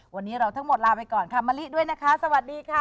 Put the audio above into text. วันนี้เราทั้งหมดลาไปก่อนค่ะมะลิด้วยนะคะสวัสดีค่ะ